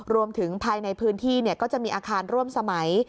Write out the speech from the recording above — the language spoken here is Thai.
รวมถึงภายในพื้นที่ก็จะมีอาคารร่วมสมัย